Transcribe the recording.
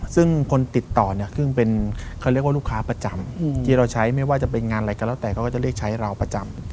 ซึ่งคนติดต่อเนี่ยซึ่งเป็นเขาเรียกว่าลูกค้าประจำที่เราใช้ไม่ว่าจะเป็นงานอะไรก็แล้วแต่เขาก็จะเรียกใช้เราประจำ